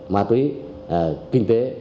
ma túy kinh tế